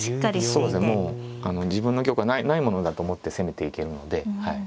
そうですねもう自分の玉はないものだと思って攻めていけるので。